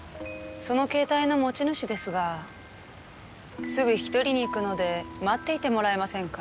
その携帯の持ち主ですがすぐ引き取りに行くので待っていてもらえませんか？」。